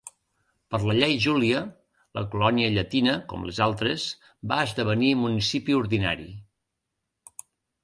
Per la llei Júlia, la colònia llatina, com les altres, va esdevenir municipi ordinari.